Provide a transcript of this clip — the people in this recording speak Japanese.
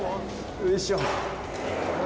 よいしょ。